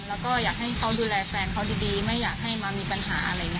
แล้วก็อยากให้เขาดูแลแฟนเขาดีไม่อยากให้มามีปัญหาอะไรอย่างนี้